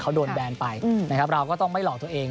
เขาโดนแบนไปนะครับเราก็ต้องไม่หลอกตัวเอง